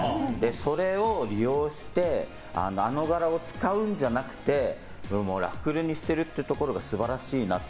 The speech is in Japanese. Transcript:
それを利用してあの柄を使うんじゃなくてラッフルにしてるってところが素晴らしいなって。